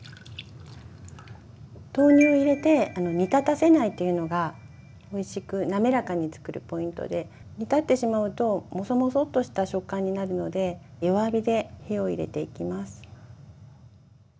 豆乳を入れて煮立たせないというのがおいしくなめらかにつくるポイントで煮立ってしまうとモソモソっとした食感になるので弱火で火を入れていきます。